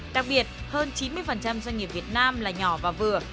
đặc biệt hơn chín mươi doanh nghiệp việt nam là nhỏ và vừa